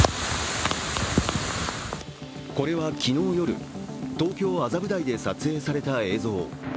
これは、昨日夜、東京・麻布台で撮影された映像。